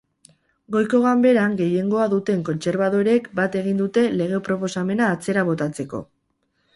Goiko ganberan gehiengoa duten kontserbadoreek bat egin dute lege-proposamena atzera botatzeko.